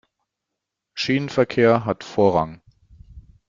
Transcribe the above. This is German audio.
Schienenverkehr hat Vorrang.